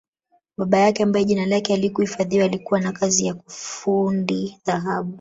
Baba yake ambaye jina lake halikuhifadhiwa alikuwa na kazi ya fundi dhahabu